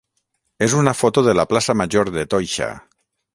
és una foto de la plaça major de Toixa.